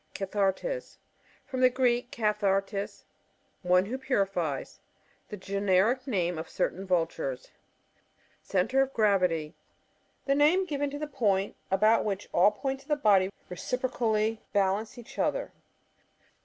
Cathartes. — From the Gieek, kaih.^ artea^ one who purifies. The gen eric name of certain Vultures. Centre op gravity. — The name given to the point about which all points of a bi»dy reciprocally bal* ance each other.